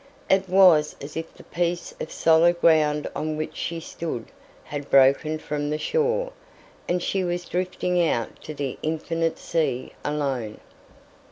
It was as if the piece of solid ground on which she stood had broken from the shore, and she was drifting out to the infinite sea alone.